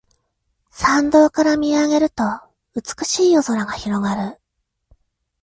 山道から見上げると美しい夜空が広がる